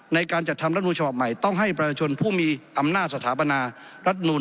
ในการจัดทำรัฐมนูลฉบับใหม่ต้องให้ประชาชนผู้มีอำนาจสถาปนารัฐนูล